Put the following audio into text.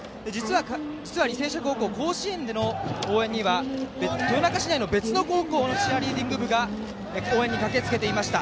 実は履正社高校甲子園での応援には豊中市内の別の高校のチアリーディング部が応援に駆けつけていました。